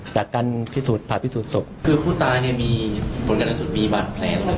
จากการพิสูจน์ผ่าพิสูจน์ศพคือผู้ตายเนี่ยมีคนการสุดมีบัตรแพลก